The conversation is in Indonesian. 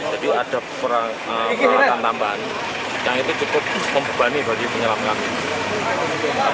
jadi ada peralatan tambahan yang cukup membebani bagi penyelam kami